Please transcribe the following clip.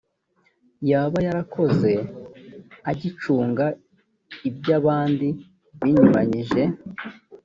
yaba yarakoze agicunga iby abandi binyuranyije